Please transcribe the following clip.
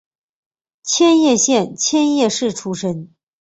千叶县千叶市出身。